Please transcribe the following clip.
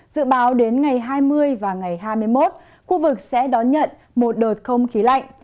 dự báo đến ngày hai mươi và ngày hai mươi một khu vực sẽ đón nhận một đợt không khí lạnh